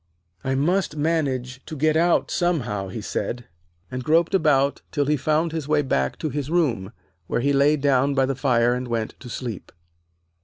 'I must manage to get out somehow,' he said, and groped about till he found his way back to his room, where he lay down by the fire and went to sleep.